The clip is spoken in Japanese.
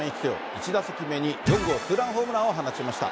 １打席目に４号ツーランホームランを打ちました。